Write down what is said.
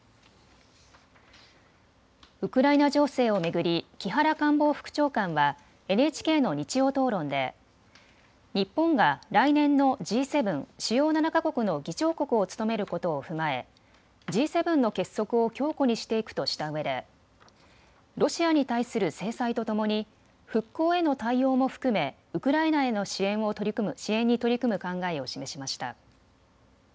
ウクライナ情勢を巡り木原官房副長官はＮＨＫの日曜討論で日本が来年のＧ７・主要７か国の議長国を務めることを踏まえＧ７の結束を強固にしていくとしたうえでロシアに対する制裁とともに復興への対応も含めウクライナへの支援に取り組む考えを示しました。